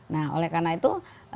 nah oleh karena itu